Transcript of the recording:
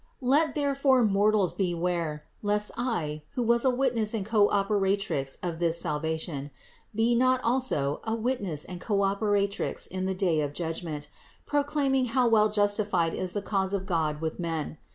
701. Let therefore mortals beware, lest I, who was a Witness and Co operatrix of this salvation, be not also a Witness and Co operatrix in the day of judgment, pro claiming how well justified is the cause of God with men.